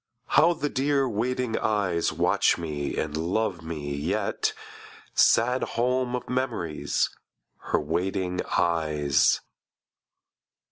How the dear waiting eyes Watch me and love me yet: Sad home of memories, Her waiting eyes!